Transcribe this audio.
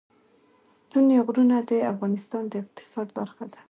ستوني غرونه د افغانستان د اقتصاد برخه ده.